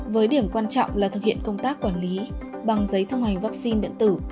với điểm quan trọng là thực hiện công tác quản lý bằng giấy thông hành vaccine điện tử